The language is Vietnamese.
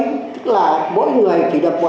tức là mỗi người thì được